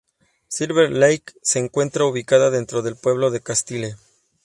Silver Lake se encuentra ubicada dentro del pueblo de Castile.